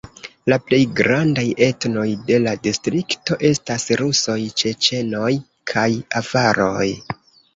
La plej grandaj etnoj de la distrikto estas rusoj, ĉeĉenoj kaj avaroj.